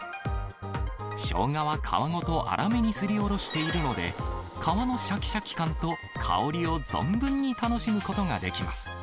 ショウガは皮ごと粗めにすりおろしているので、皮のしゃきしゃき感と香りを存分に楽しむことができます。